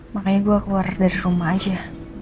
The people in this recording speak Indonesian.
makanya gue keluar dari rumah aja